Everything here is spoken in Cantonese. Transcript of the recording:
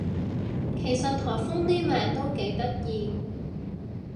其實颱風啲名都幾得意